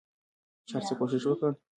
چې هرڅه کوښښ وکړ